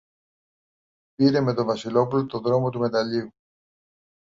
πήρε με το Βασιλόπουλο το δρόμο του μεταλλείου